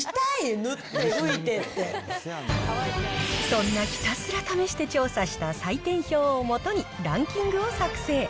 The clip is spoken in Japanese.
塗って、そんなひたすら試して調査した採点表をもとに、ランキングを作成。